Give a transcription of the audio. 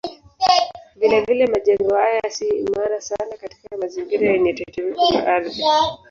Vilevile majengo haya si imara sana katika mazingira yenye tetemeko la ardhi.